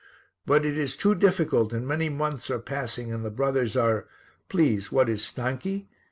But it is too difficult and many months are passing and the brothers are please, what is stanchi?